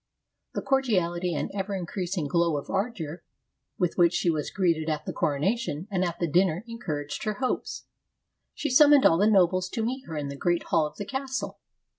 The cordiality and ever in creasing glow of ardor with which she was greeted at the coronation and at the dinner encouraged her hopes. She summoned all the nobles to meet her in the great hall of the castle.